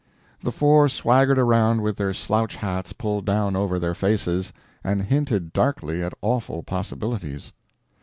The four swaggered around with their slouch hats pulled down over their faces, and hinted darkly at awful possibilities.